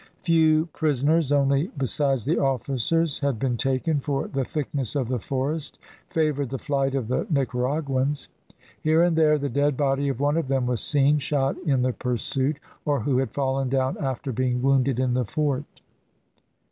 Few prisoners only besides the officers had been taken, for the thickness of the forest favoured the flight of the Nicaraguans. Here and there the dead body of one of them was seen, shot in the pursuit, or who had fallen down after being wounded in the fort.